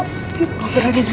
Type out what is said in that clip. mama ada mama disini ya